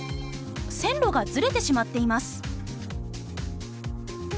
線路がズレてしまっています。